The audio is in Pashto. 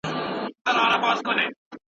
نه غزل پر غزل اوري نه آواز د مطربانو